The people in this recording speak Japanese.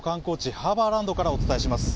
ハーバーランドからお伝えします。